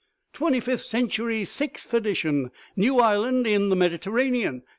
Twenty fifth Century, sixth edition ! New island in the Mediterranean!